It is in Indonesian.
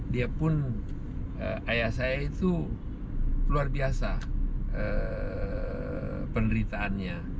dia pun ayah saya itu luar biasa penderitaannya